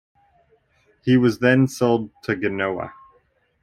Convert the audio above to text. He was then sold to Genoa.